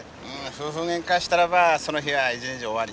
夫婦げんかしたらばその日は一日終わり。